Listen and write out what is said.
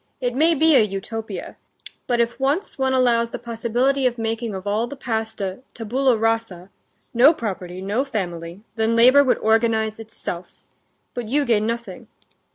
It may be a Utopia. But if once one allows the possibility of making of all the past a tabula rasa—no property, no family—then labor would organize itself. But you gain nothing...."